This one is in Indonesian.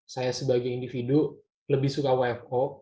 saya sebagai individu lebih suka wfo